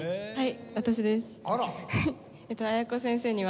はい。